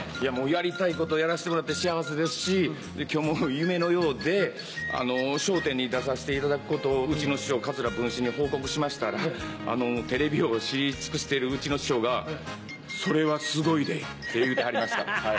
やりたいことをやらせてもらって幸せですし今日も夢のようで『笑点』に出させていただくことをうちの師匠桂文枝に報告しましたらあのテレビを知り尽くしているうちの師匠が「それはすごいで」って言うてはりました。